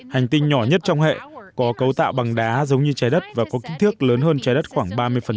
hành tinh nhỏ nhất trong hệ có cấu tạo bằng đá giống như trái đất và có kích thước lớn hơn trái đất khoảng ba mươi